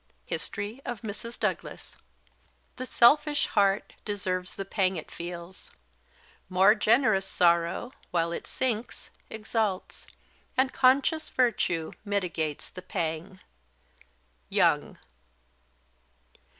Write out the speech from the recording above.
History of Mrs. Douglas. "The selfish heart deserves the pang it feels; More generous sorrow, while it sinks, exalts, And conscious virtue mitigates the pang." YOUNG.